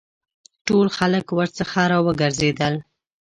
ټول خلک ورڅخه را وګرځېدل.